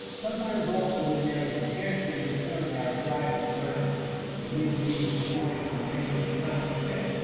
Sometimes, also, when there is a scarcity of corn they are dried and ground, the meal heing employed for making a kind of bread.